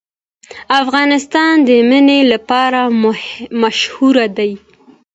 افغانستان د منی لپاره مشهور دی.